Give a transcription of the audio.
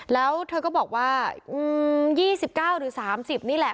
แล้วเธอก็บอกว่าอืมยี่สิบเก้าหรือสามสิบนี่แหละ